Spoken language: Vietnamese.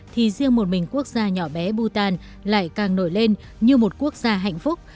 thì riêng một mình quốc gia nhỏ bé bhutan lại càng nổi lên như một quốc gia hạnh phúc